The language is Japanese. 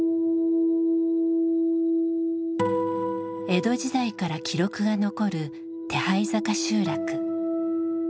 江戸時代から記録が残る手這坂集落。